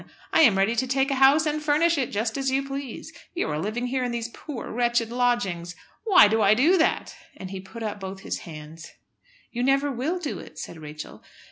I am ready to take a house and furnish it just as you please. You are living here in these poor, wretched lodgings. Why do I do that?" And he put up both his hands. "You never will do it," said Rachel.